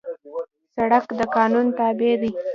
سړک د قانون تابع دی.